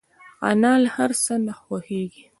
انا له هر څه نه خوښيږي